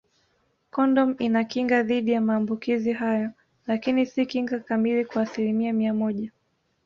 Kondomu inakinga dhidi ya maambukizi hayo lakini si kinga kamili kwa asilimia mia moja